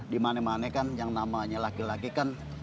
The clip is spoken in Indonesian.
dimane manekan yang namanya laki laki kan